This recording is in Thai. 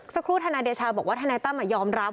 สักครู่ฐานายเดชาบอกว่าฐานายตั้มอายออมรับ